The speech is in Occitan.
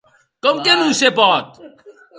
Com que non se pòt?